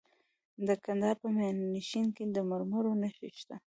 د کندهار په میانشین کې د مرمرو نښې شته.